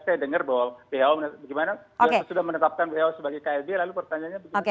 saya dengar bahwa who sudah menetapkan beliau sebagai klb lalu pertanyaannya begini